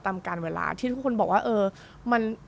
ตามการเวลาที่ทุกคนบอกว่าเออ